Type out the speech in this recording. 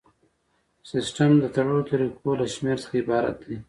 سیسټم د تړلو طریقو له شمیر څخه عبارت دی.